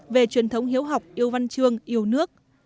về truyền thống hiếu học yêu văn chương yêu nước